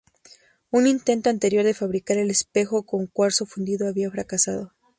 Un intento anterior de fabricar el espejo con cuarzo fundido había fracasado.